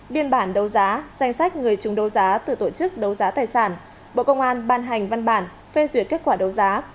biên bản đấu giá danh sách người chúng đấu giá từ tổ chức đấu giá tài sản bộ công an ban hành văn bản phê duyệt kết quả đấu giá